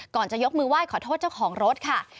จะยกมือไหว้ขอโทษเจ้าของรถค่ะ